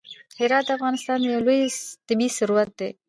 هرات د افغانستان یو لوی طبعي ثروت دی.